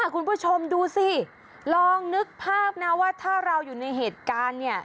คุณผู้ชมดูสิลองนึกภาพนะว่าถ้าเราอยู่ในเหตุการณ์เนี่ย